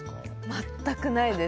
全くないです。